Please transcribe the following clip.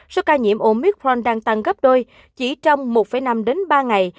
số ca nhiễm omicron đang tăng gấp đôi chỉ trong một năm đến ba ngày